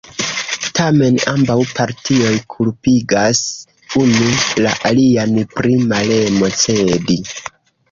Tamen ambaŭ partioj kulpigas unu la alian pri malemo cedi.